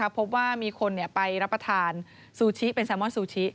พบว่ามีคนไปรับประทานซูชิเป็นแซลมอนซูชิ